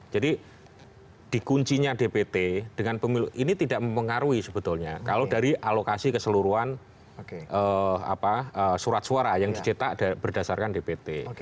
jadi di kuncinya dbt dengan pemilih ini tidak mempengaruhi sebetulnya kalau dari alokasi keseluruhan surat suara yang dicetak berdasarkan dbt